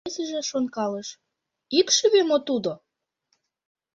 Весыже шонкалыш: «Икшыве мо тудо?